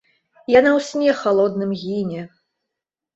Яна ў сне халодным гіне!